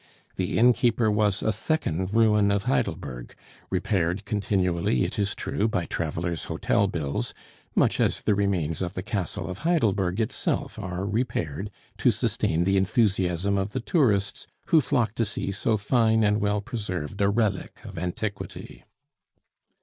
The innkeeper was a second ruin of Heidelberg, repaired continually, it is true, by travelers' hotel bills, much as the remains of the castle of Heidelberg itself are repaired to sustain the enthusiasm of the tourists who flock to see so fine and well preserved a relic of antiquity.